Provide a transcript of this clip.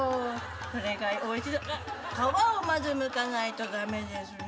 あっ皮をまずむかないと駄目ですね。